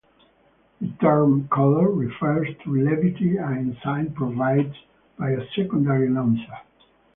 The term "color" refers to levity and insight provided by a secondary announcer.